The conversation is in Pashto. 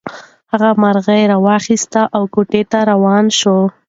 هغه مرغۍ راواخیسته او کوټې ته روان شو.